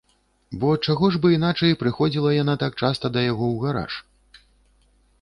Бо чаго ж бы іначай прыходзіла яна так часта да яго ў гараж?